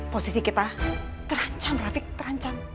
posisi kita terancam rafik terancam